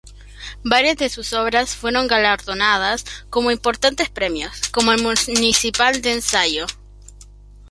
Varias de sus obras fueron galardonadas con importantes premios, como el Municipal de Ensayo.